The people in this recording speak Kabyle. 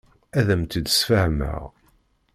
Ad am-tt-id-sfehmeɣ.